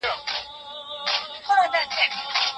زه ډېر كوچنى سم ،سم